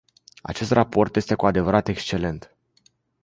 Acest raport este cu adevărat excelent!